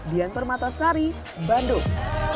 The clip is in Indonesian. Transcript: dian permata sari bandung